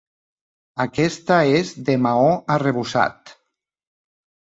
Aquesta és de maó arrebossat.